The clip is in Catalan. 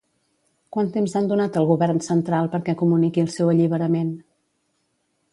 Quant temps han donat al govern central perquè comuniqui el seu alliberament?